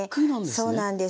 そうなんです